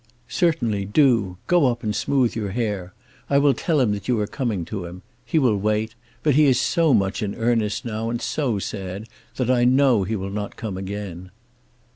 "Certainly; do; go up and smooth your hair. I will tell him that you are coming to him. He will wait. But he is so much in earnest now, and so sad, that I know he will not come again."